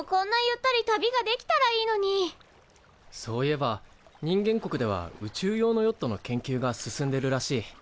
そういえば人間国では宇宙用のヨットの研究が進んでるらしい。